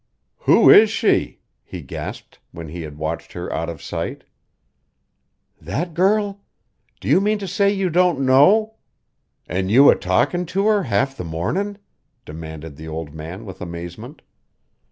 "Who is she?" he gasped, when he had watched her out of sight. "That girl? Do you mean to say you don't know an' you a talkin' to her half the mornin'?" demanded the old man with amazement.